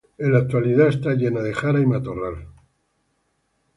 En la actualidad está llena de jara y matorral.